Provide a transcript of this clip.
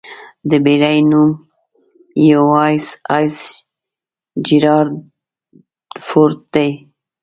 د بېړۍ نوم 'یواېساېس جېرالډ ار فورډ' دی.